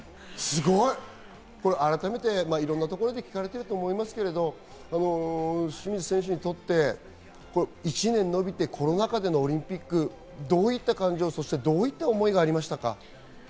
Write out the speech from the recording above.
改めていろんなところで聞かれていると思いますけど、清水選手にとって、１年延びてコロナ禍でのオリンピック、どういった感情、どういった思いがありましたか？